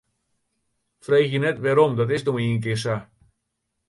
Freegje net wêrom, dat is no ienkear sa.